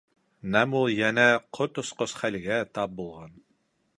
Нәм ул йәнә ҡот осҡос хәлгә тап булған.